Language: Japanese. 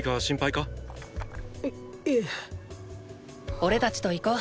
おれたちと行こう。